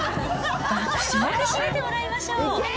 爆笑で締めてもらいましょう。